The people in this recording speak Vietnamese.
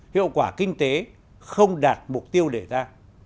hiệu quả kinh tế không đạt mục tiêu đề ra